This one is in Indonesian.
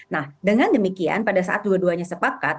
nah dengan demikian pada saat dua duanya sepakat